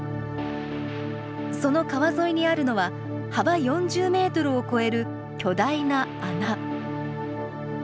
その川沿いにあるのは、幅４０メートルを超える巨大な穴。